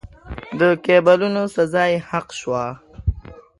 د کېبولونو سزا یې حق شوه.